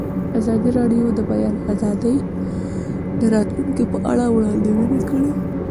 ازادي راډیو د د بیان آزادي د راتلونکې په اړه وړاندوینې کړې.